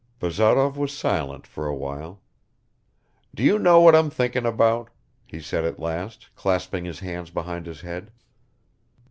Bazarov was silent for a while. "Do you know what I'm thinking about?" he said at last, clasping his hands behind his head.